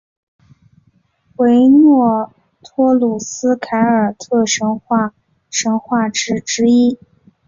维诺托努斯凯尔特神话神只之一。